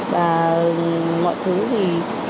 và mọi thứ thì